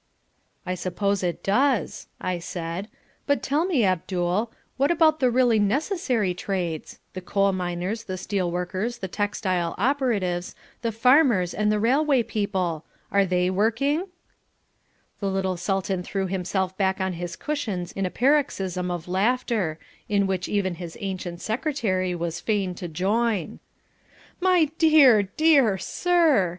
"I suppose it does," I said, "but tell me Abdul what about the really necessary trades, the coal miners, the steel workers, the textile operatives, the farmers, and the railway people. Are they working?" The little Sultan threw himself back on his cushions in a paroxysm of laughter, in which even his ancient Secretary was feign to join. "My dear sir, my dear sir!"